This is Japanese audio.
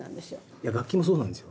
いや楽器もそうなんですよ。